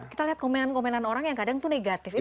kita lihat komenan komenan orang yang kadang tuh negatif